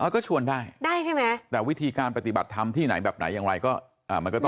ก็ชวนได้ได้ใช่ไหมแต่วิธีการปฏิบัติธรรมที่ไหนแบบไหนอย่างไรก็มันก็ต้อง